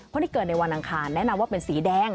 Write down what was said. คนที่เกิดในวันอังคารแนะนำว่าเป็นสีแดง